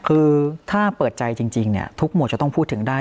คือถ้าเปิดใจจริงทุกหมวดจะต้องพูดถึงได้